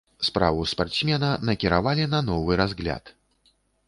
Справу спартсмена накіравалі на новы разгляд.